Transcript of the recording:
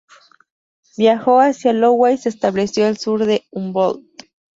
Viajó hacia Iowa y se estableció al sur de Humboldt.